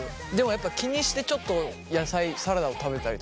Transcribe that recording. やっぱ気にしてちょっと野菜サラダを食べたりとかするじゃん。